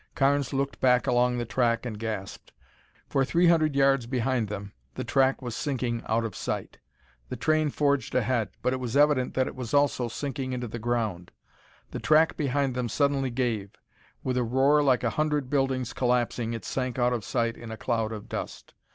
Carnes looked back along the track and gasped. For three hundred yards behind them, the track was sinking out of sight. The train forged ahead, but it was evident that it also was sinking into the ground. The track behind them suddenly gave. With a roar like a hundred buildings collapsing, it sank out of sight in a cloud of dust.